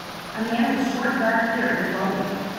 A man with short dark hair is welding.